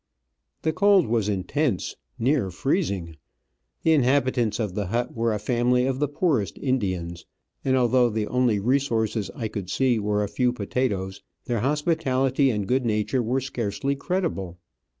The cold was intense — nearly freezing. The inhabitants of the hut were a family of the poorest Indians, and, although the only resources I could see were a few potatoes, their hospitality and good nature were scarcely credible.